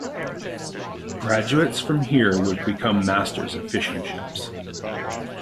Graduates from here would become masters of fishing-ships.